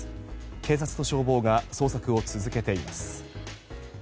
警察と消防が捜索を続けています。